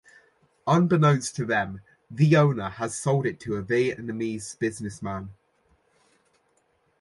Unbeknownst to them, the owner has sold it to a Vietnamese businessman.